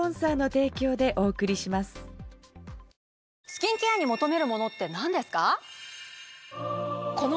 スキンケアに求めるものって何ですか？